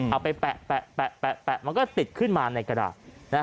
เอาไปแปะมันก็ติดขึ้นมาในกระดาษ